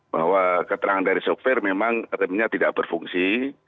bahwa keterangan dari sopir memang remnya tidak berfungsi